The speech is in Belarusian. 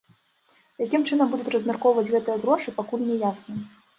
Якім чынам будуць размяркоўваць гэтыя грошы, пакуль не ясна.